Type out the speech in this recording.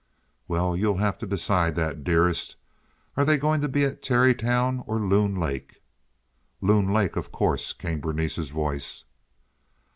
"Well, you'll have to decide that, dearest. Are they going to be at Tarrytown or Loon Lake?" "Loon Lake, of course," came Berenice's voice.